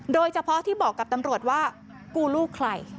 โดยเฉพาะที่บอกกับตำรวจว่ากูลูกใคร